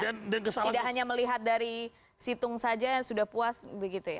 tidak hanya melihat dari situng saja yang sudah puas begitu ya